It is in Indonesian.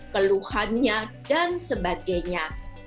keluhannya dan sebagainya